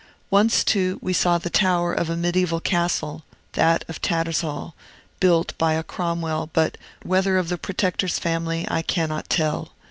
Once, too, we saw the tower of a mediaeval castle, that of Tattershall, built, by a Cromwell, but whether of the Protector's family I cannot tell.